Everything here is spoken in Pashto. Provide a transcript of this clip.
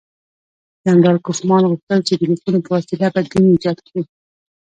جنرال کوفمان غوښتل چې د لیکونو په وسیله بدبیني ایجاد کړي.